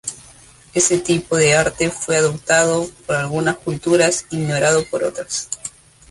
Este tipo de arte fue adoptado por algunas culturas e ignorado por otras.